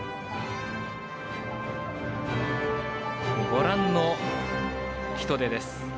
ご覧の人出です。